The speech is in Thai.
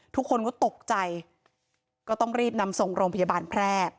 ทุกคนก็ตกใจก็ต้องรีบนำส่งโรงพยาบาลแพร่